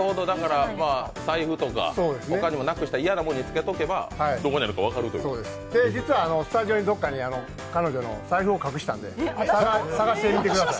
財布とか、他にもなくしたら嫌なものにつけておけば実はスタジオにどこかに財布を隠したんで、探してください。